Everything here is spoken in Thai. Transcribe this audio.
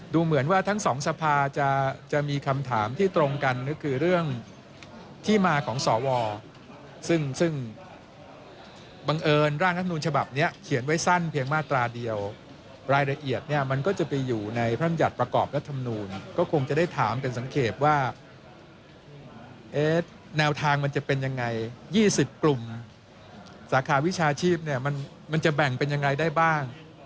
เดี๋ยวเราไปฟังเสียงช่วงหนึ่งกันค่ะ